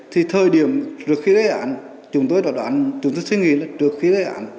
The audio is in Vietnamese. thì thời điểm trước khi gây án chúng tôi đã đoán chúng tôi suy nghĩ là trước khi gây án